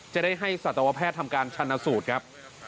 จะได้ให้สัตวแพทย์ทำการชันสูตรครับ